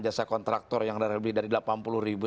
jasa kontraktor yang dari delapan puluh ribu